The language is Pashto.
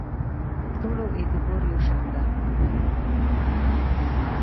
ټولو اعتبار یو شان دی.